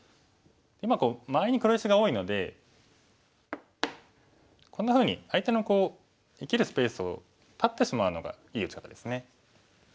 今周りに黒石が多いのでこんなふうに相手の生きるスペースを断ってしまうのがいい打ち方ですね。